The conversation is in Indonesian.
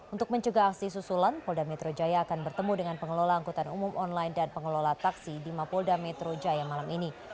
untuk mencegah aksi susulan polda metro jaya akan bertemu dengan pengelola angkutan umum online dan pengelola taksi di mapolda metro jaya malam ini